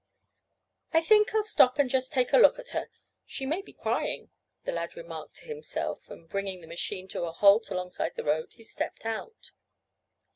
"I think I'll stop and just take a look at her. She may be crying," the lad remarked to himself, and, bringing the machine to a halt alongside the road, he stepped out.